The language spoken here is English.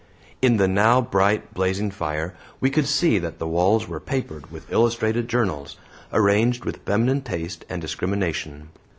In the now bright, blazing fire we could see that the walls were papered with illustrated journals, arranged with feminine taste and discrimination.